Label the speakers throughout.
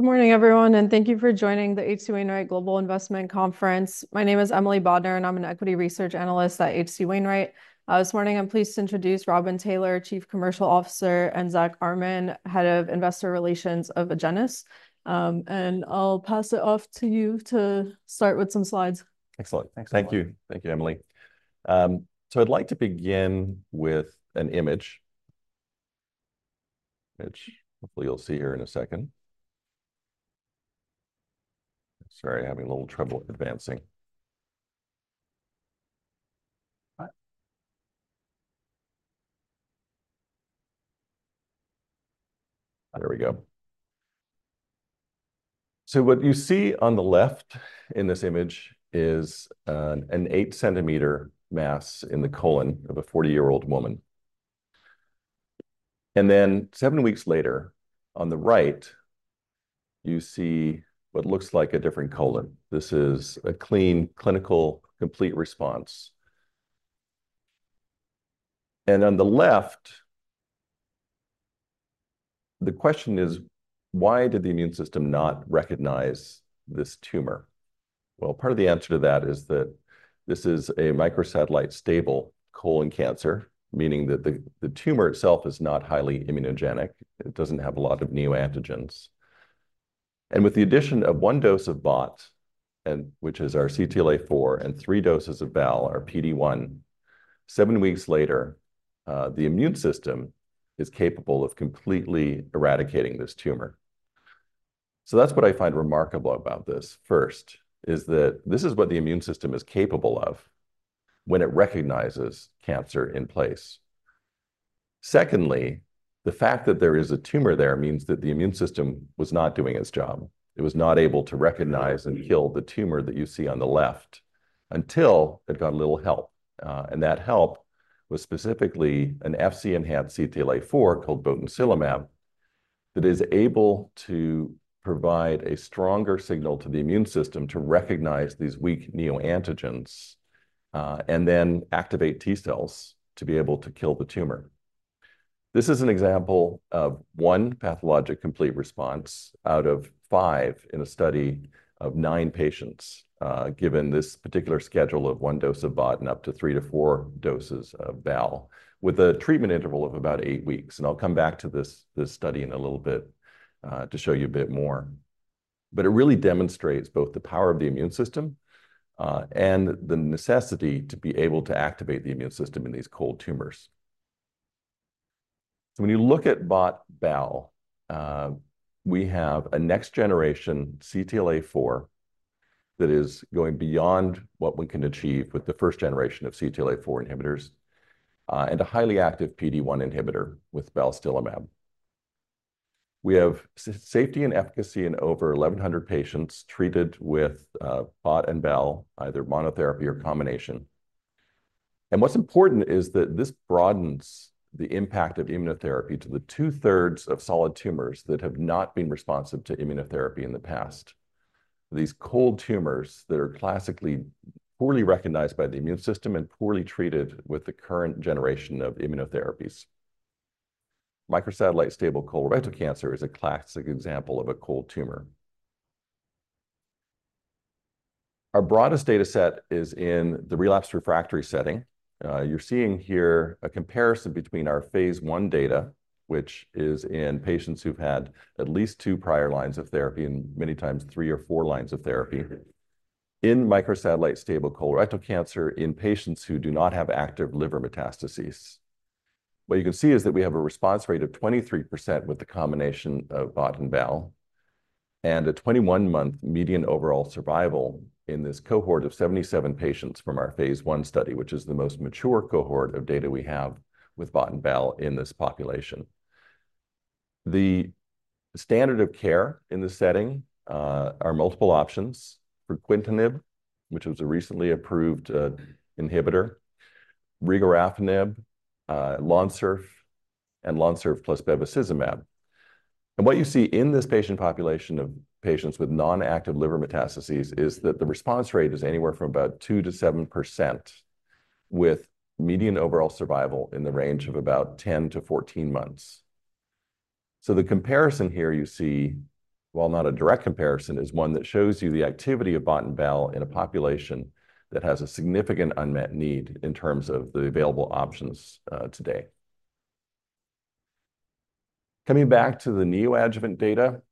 Speaker 1: Good morning, everyone, and thank you for joining the H.C. Wainwright global investment conference. My name is Emily Bodnar, and I'm an equity research analyst at H.C. Wainwright. This morning, I'm pleased to introduce Robin Taylor, Chief Commercial Officer, and Zack Armen, Head of Investor Relations of Agenus, and I'll pass it off to you to start with some slides.
Speaker 2: Excellent.
Speaker 3: Thanks a lot.
Speaker 2: Thank you. Thank you, Emily. So I'd like to begin with an image, which hopefully you'll see here in a second. Sorry, having a little trouble advancing. There we go. So what you see on the left in this image is an eight-centimeter mass in the colon of a 40-year-old woman, and then, seven weeks later, on the right, you see what looks like a different colon. This is a clean, clinical, complete response, and on the left, the question is: why did the immune system not recognize this tumor? Well, part of the answer to that is that this is a Microsatellite Stable colon cancer, meaning that the tumor itself is not highly immunogenic. It doesn't have a lot of neoantigens. With the addition of one dose of BOT, which is our CTLA-4, and three doses of BAL, our PD-1, seven weeks later, the immune system is capable of completely eradicating this tumor. That's what I find remarkable about this. First, this is what the immune system is capable of when it recognizes cancer in place. Second, the fact that there is a tumor there means that the immune system was not doing its job. It was not able to recognize and kill the tumor that you see on the left until it got a little help, and that help was specifically an Fc-enhanced CTLA-4 called botensilimab that is able to provide a stronger signal to the immune system to recognize these weak neoantigens, and then activate T cells to be able to kill the tumor. This is an example of one pathologic complete response out of five in a study of nine patients, given this particular schedule of one dose of BOT and up to three to four doses of BAL, with a treatment interval of about eight weeks. And I'll come back to this study in a little bit, to show you a bit more. But it really demonstrates both the power of the immune system, and the necessity to be able to activate the immune system in these cold tumors. So when you look at BOT/BAL, we have a next-generation CTLA-4 that is going beyond what we can achieve with the first generation of CTLA-4 inhibitors, and a highly active PD-1 inhibitor with balstilimab. We have safety and efficacy in over eleven hundred patients treated with BOT and BAL, either monotherapy or combination. And what's important is that this broadens the impact of immunotherapy to the 2/3 of solid tumors that have not been responsive to immunotherapy in the past. These cold tumors that are classically poorly recognized by the immune system and poorly treated with the current generation of immunotherapies. Microsatellite Stable colorectal cancer is a classic example of a cold tumor. Our broadest data set is in the relapsed refractory setting. You're seeing here a comparison between our phase I data, which is in patients who've had at least two prior lines of therapy, and many times, three or four lines of therapy, in Microsatellite Stable colorectal cancer in patients who do not have active liver metastases. What you can see is that we have a response rate of 23% with the combination of BOT and BAL, and a 21-month median overall survival in this cohort of 77 patients from our phase I study, which is the most mature cohort of data we have with BOT and BAL in this population. The standard of care in this setting are multiple options: fruquintinib, which was a recently approved inhibitor; regorafenib, Lonsurf, and Lonsurf plus bevacizumab, and what you see in this patient population of patients with non-active liver metastases is that the response rate is anywhere from about 2%-7%, with median overall survival in the range of about 10-14 months. So the comparison here you see, while not a direct comparison, is one that shows you the activity of BOT and BAL in a population that has a significant unmet need in terms of the available options, today. Coming back to the neoadjuvant data,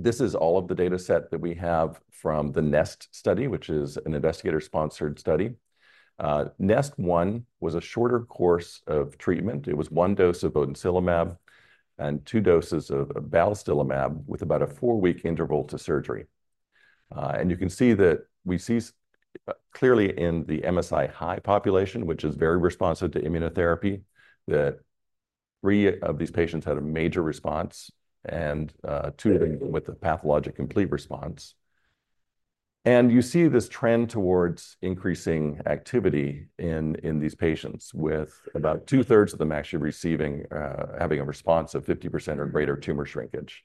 Speaker 2: this is all of the dataset that we have from the NEST study, which is an investigator-sponsored study. NEST-1 was a shorter course of treatment. It was one dose of botensilimab and two doses of balstilimab, with about a four-week interval to surgery. And you can see that we see clearly in the MSI-high population, which is very responsive to immunotherapy, that three of these patients had a major response and two with the pathologic complete response. And you see this trend towards increasing activity in these patients, with about 2/3 of them actually having a response of 50% or greater tumor shrinkage.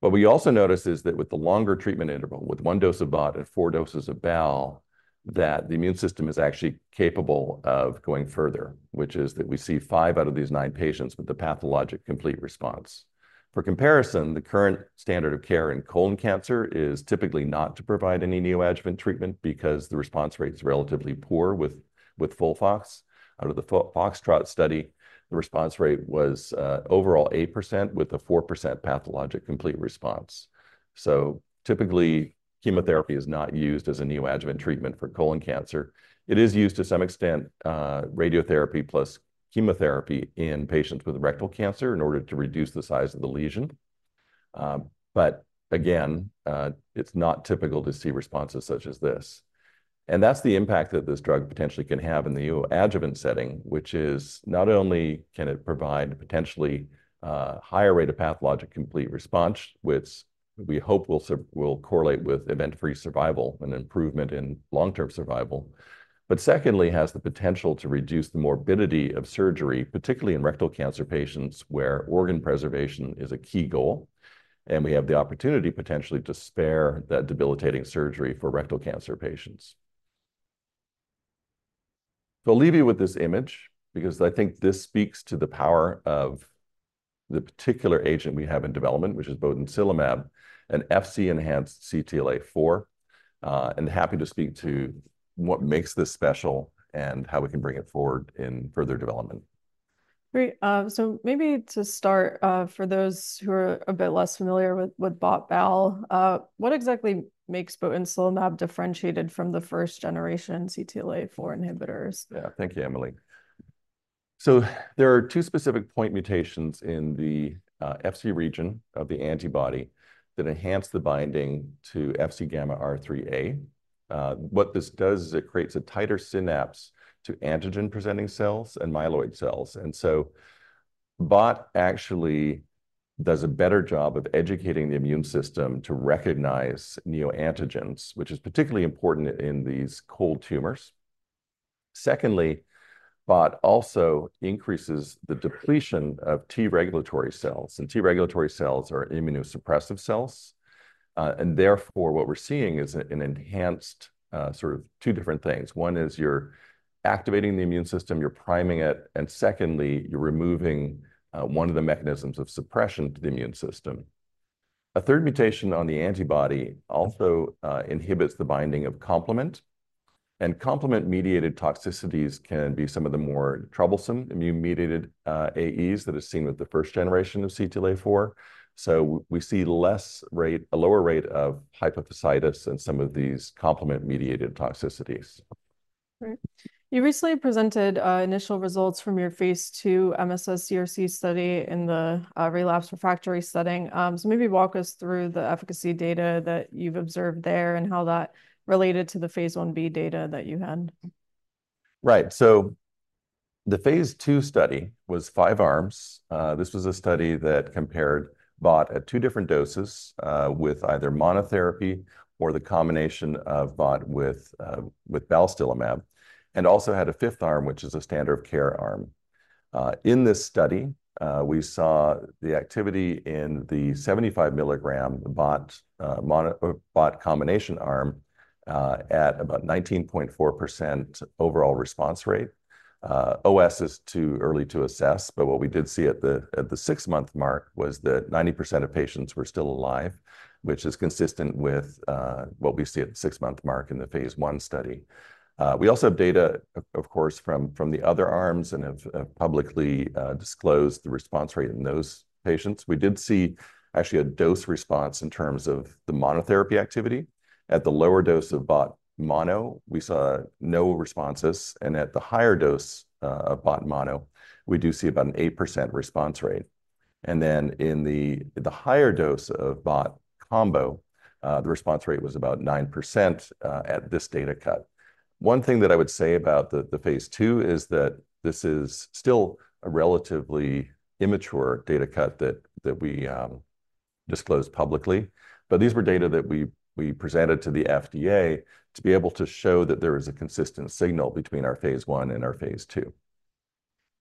Speaker 2: What we also notice is that with the longer treatment interval, with one dose of BOT and four doses of BAL, that the immune system is actually capable of going further, which is that we see five out of these nine patients with the pathologic complete response. For comparison, the current standard of care in colon cancer is typically not to provide any neoadjuvant treatment because the response rate is relatively poor with FOLFOX. Out of the FOxTROT study, the response rate was overall 8%, with a 4% pathologic complete response. So typically, chemotherapy is not used as a neoadjuvant treatment for colon cancer. It is used to some extent, radiotherapy plus chemotherapy in patients with rectal cancer in order to reduce the size of the lesion. But again, it's not typical to see responses such as this, and that's the impact that this drug potentially can have in the neoadjuvant setting, which is not only can it provide a potentially higher rate of pathologic complete response, which we hope will correlate with event-free survival and improvement in long-term survival. But secondly, has the potential to reduce the morbidity of surgery, particularly in rectal cancer patients, where organ preservation is a key goal, and we have the opportunity potentially to spare that debilitating surgery for rectal cancer patients. So I'll leave you with this image because I think this speaks to the power of the particular agent we have in development, which is botensilimab, an Fc-enhanced CTLA-4. And happy to speak to what makes this special and how we can bring it forward in further development.
Speaker 1: Great. So maybe to start, for those who are a bit less familiar with BOT/BAL, what exactly makes botensilimab differentiated from the first generation CTLA-4 inhibitors?
Speaker 2: Yeah. Thank you, Emily. So there are two specific point mutations in the Fc region of the antibody that enhance the binding to Fc gamma RIIIa. What this does is it creates a tighter synapse to antigen-presenting cells and myeloid cells. And so BOT actually does a better job of educating the immune system to recognize neoantigens, which is particularly important in these cold tumors. Secondly, BOT also increases the depletion of T-regulatory cells, and T-regulatory cells are immunosuppressive cells. And therefore, what we're seeing is an enhanced sort of two different things. One is you're activating the immune system, you're priming it, and secondly, you're removing one of the mechanisms of suppression to the immune system. A third mutation on the antibody also inhibits the binding of complement, and complement-mediated toxicities can be some of the more troublesome immune-mediated AEs that are seen with the first generation of CTLA-4. So we see a lower rate of hypophysitis and some of these complement-mediated toxicities.
Speaker 1: Great. You recently presented initial results from your phase II mCRC study in the relapse/refractory setting. So maybe walk us through the efficacy data that you've observed there and how that related to the phase Ib data that you had.
Speaker 2: Right. So the phase II study was five arms. This was a study that compared BOT at two different doses, with either monotherapy or the combination of BOT with balstilimab, and also had a fifth arm, which is a standard of care arm. In this study, we saw the activity in the 75 mg, BOT mono-BOT combination arm at about 19.4% overall response rate. OS is too early to assess, but what we did see at the six-month mark was that 90% of patients were still alive, which is consistent with what we see at the six-month mark in the phase I study. We also have data, of course, from the other arms and have publicly disclosed the response rate in those patients. We did see actually a dose response in terms of the monotherapy activity. At the lower dose of BOT mono, we saw no responses, and at the higher dose of BOT mono, we do see about an 8% response rate. And then in the higher dose of BOT combo, the response rate was about 9% at this data cut. One thing that I would say about the phase II is that this is still a relatively immature data cut that we disclosed publicly. But these were data that we presented to the FDA to be able to show that there is a consistent signal between our phase I and our phase II.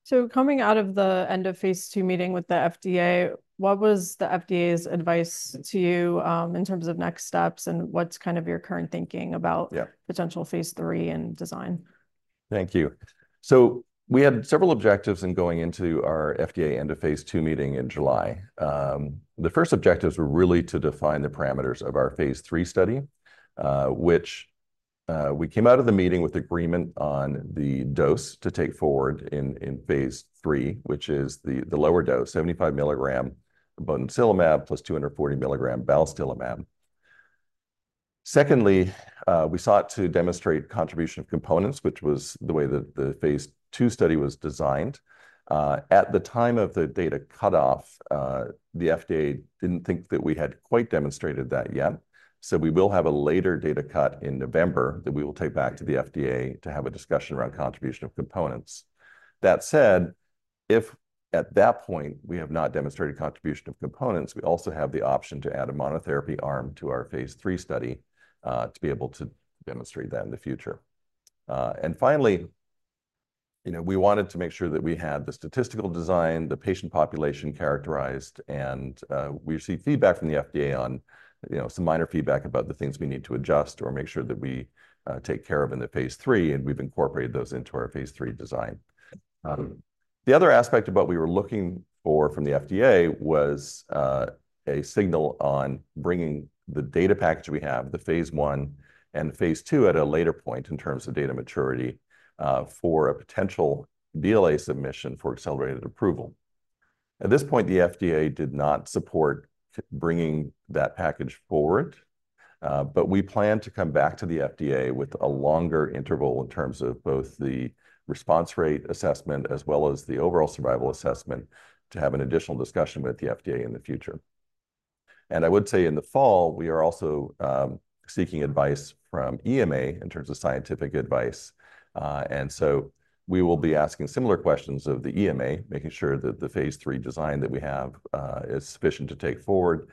Speaker 1: So coming out of the end of phase II meeting with the FDA, what was the FDA's advice to you, in terms of next steps, and what's kind of your current thinking about…
Speaker 2: Yeah...
Speaker 1: potential phase III and design?
Speaker 2: Thank you. We had several objectives in going into our FDA end of phase II meeting in July. The first objectives were really to define the parameters of our phase III study, which we came out of the meeting with agreement on the dose to take forward in phase III, which is the lower dose, 75 mg botensilimab plus 240 mg balstilimab. Secondly, we sought to demonstrate contribution of components, which was the way that the phase II study was designed. At the time of the data cutoff, the FDA didn't think that we had quite demonstrated that yet. We will have a later data cut in November that we will take back to the FDA to have a discussion around contribution of components. That said, if at that point we have not demonstrated contribution of components, we also have the option to add a monotherapy arm to our phase III study to be able to demonstrate that in the future. You know, we wanted to make sure that we had the statistical design, the patient population characterized, and we received feedback from the FDA on, you know, some minor feedback about the things we need to adjust or make sure that we take care of in the phase III, and we've incorporated those into our phase III design. The other aspect of what we were looking for from the FDA was a signal on bringing the data package we have, the phase I and the phase II, at a later point in terms of data maturity for a potential BLA submission for accelerated approval. At this point, the FDA did not support bringing that package forward, but we plan to come back to the FDA with a longer interval in terms of both the response rate assessment as well as the overall survival assessment, to have an additional discussion with the FDA in the future. I would say in the fall, we are also seeking advice from EMA in terms of scientific advice. So we will be asking similar questions of the EMA, making sure that the phase III design that we have is sufficient to take forward.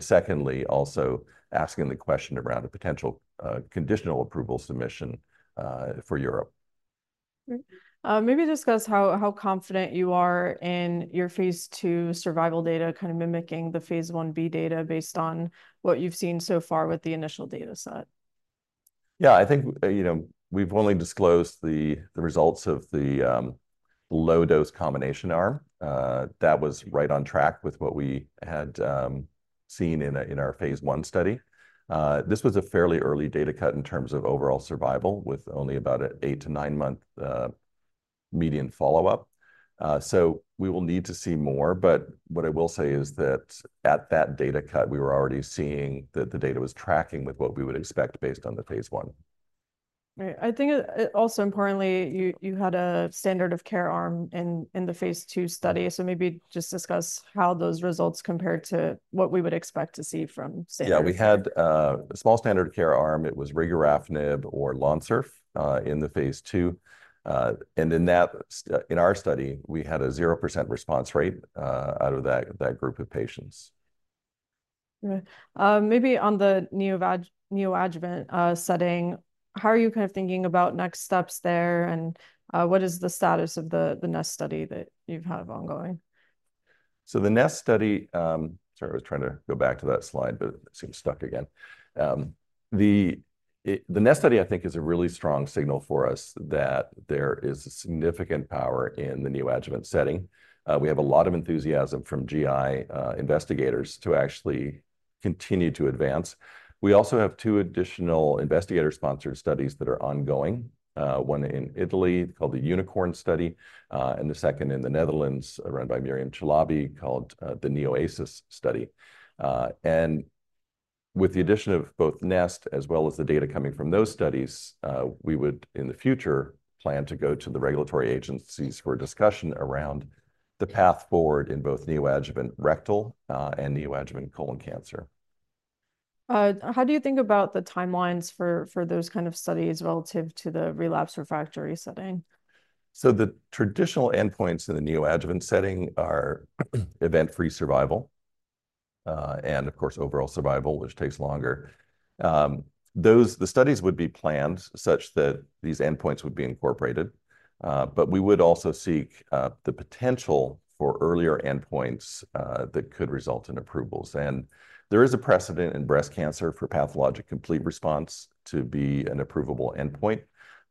Speaker 2: Secondly, also asking the question around a potential conditional approval submission for Europe.
Speaker 1: Maybe discuss how confident you are in your phase II survival data, kind of mimicking the phase Ib data based on what you've seen so far with the initial data set.
Speaker 2: Yeah, I think, you know, we've only disclosed the results of the low-dose combination arm. That was right on track with what we had seen in our phase I study. This was a fairly early data cut in terms of overall survival, with only about an eight to nine-month median follow-up. So we will need to see more, but what I will say is that, at that data cut, we were already seeing that the data was tracking with what we would expect based on the phase I.
Speaker 1: Right. I think, also importantly, you had a standard of care arm in the phase II study, so maybe just discuss how those results compare to what we would expect to see from standard care.
Speaker 2: Yeah, we had a small standard of care arm. It was regorafenib or Lonsurf in the phase II. And in that study, we had a 0% response rate out of that group of patients.
Speaker 1: Right. Maybe on the neoadjuvant setting, how are you kind of thinking about next steps there, and what is the status of the NEST study that you have ongoing?
Speaker 2: The NEST study. Sorry, I was trying to go back to that slide, but it seems stuck again. The NEST study, I think, is a really strong signal for us that there is significant power in the neoadjuvant setting. We have a lot of enthusiasm from GI investigators to actually continue to advance. We also have two additional investigator-sponsored studies that are ongoing, one in Italy, called theUNICORN study, and the second in the Netherlands, run by Mariam Chalabi, called the NEOASIS study. And with the addition of both NEST, as well as the data coming from those studies, we would, in the future, plan to go to the regulatory agencies for a discussion around the path forward in both neoadjuvant rectal and neoadjuvant colon cancer.
Speaker 1: How do you think about the timelines for those kind of studies relative to the relapsed/refractory setting?
Speaker 2: So the traditional endpoints in the neoadjuvant setting are event-free survival, and of course, overall survival, which takes longer. The studies would be planned such that these endpoints would be incorporated. But we would also seek the potential for earlier endpoints that could result in approvals. There is a precedent in breast cancer for pathologic complete response to be an approvable endpoint.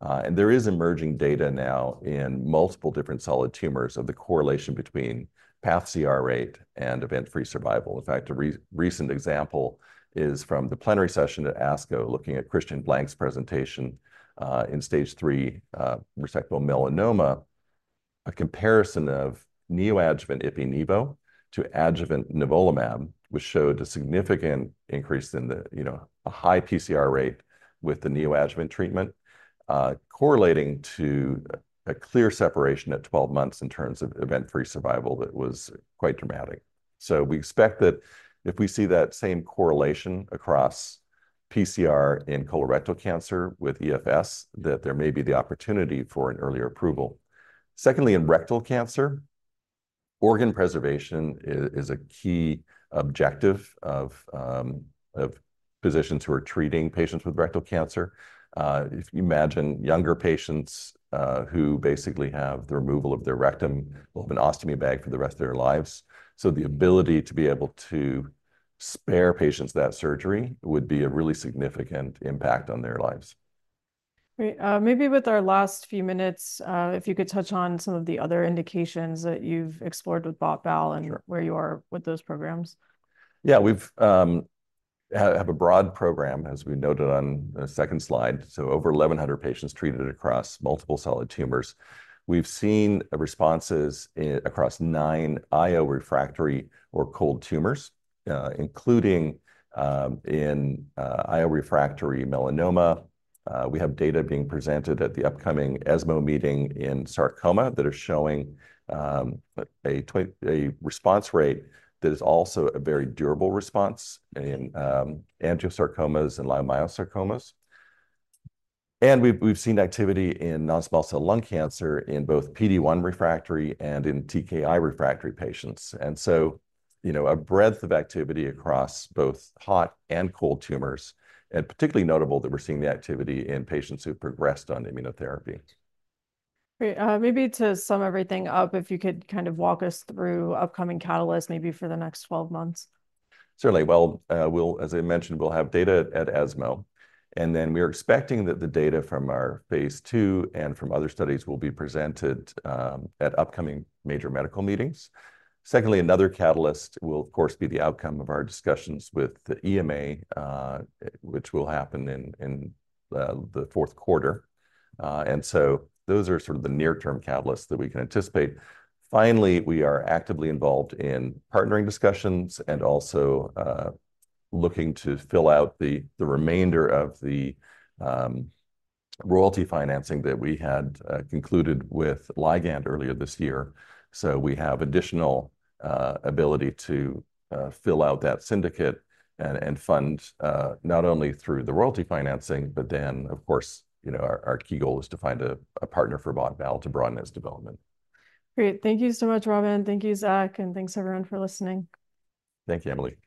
Speaker 2: And there is emerging data now in multiple different solid tumors of the correlation between pCR rate and event-free survival. In fact, a recent example is from the plenary session at ASCO, looking at Christian Blank's presentation, in stage III resectable melanoma, a comparison of neoadjuvant ipi/nivo to adjuvant nivolumab, which showed a significant increase in the, you know, a high pCR rate with the neoadjuvant treatment, correlating to a clear separation at 12 months in terms of event-free survival that was quite dramatic. So we expect that if we see that same correlation across pCR in colorectal cancer with EFS, that there may be the opportunity for an earlier approval. Secondly, in rectal cancer, organ preservation is a key objective of physicians who are treating patients with rectal cancer. If you imagine younger patients, who basically have the removal of their rectum will have an ostomy bag for the rest of their lives, so the ability to be able to spare patients that surgery would be a really significant impact on their lives.
Speaker 1: Great. Maybe with our last few minutes, if you could touch on some of the other indications that you've explored with BOT/BAL-
Speaker 2: Sure...
Speaker 1: and where you are with those programs.
Speaker 2: Yeah, we have a broad program, as we noted on the second slide, so over eleven hundred patients treated across multiple solid tumors. We've seen responses across nine IO-refractory or cold tumors, including in IO-refractory melanoma. We have data being presented at the upcoming ESMO meeting in sarcoma that are showing a response rate that is also a very durable response in angiosarcomas and leiomyosarcomas. And we've seen activity in non-small cell lung cancer in both PD-1 refractory and in TKI-refractory patients, and so, you know, a breadth of activity across both hot and cold tumors. And particularly notable that we're seeing the activity in patients who've progressed on immunotherapy.
Speaker 1: Great. Maybe to sum everything up, if you could kind of walk us through upcoming catalysts, maybe for the next 12 months.
Speaker 2: Certainly. Well, as I mentioned, we'll have data at ESMO, and then we're expecting that the data from our phase II and from other studies will be presented at upcoming major medical meetings. Secondly, another catalyst will, of course, be the outcome of our discussions with the EMA, which will happen in the Q4. And so those are sort of the near-term catalysts that we can anticipate. Finally, we are actively involved in partnering discussions and also looking to fill out the remainder of the royalty financing that we had concluded with Ligand earlier this year. We have additional ability to fill out that syndicate and fund, not only through the royalty financing, but then, of course, you know, our key goal is to find a partner for BOT/BAL to broaden its development.
Speaker 1: Great. Thank you so much, Robin. Thank you, Zack, and thanks, everyone, for listening.
Speaker 2: Thank you, Emily.
Speaker 3: Thank you.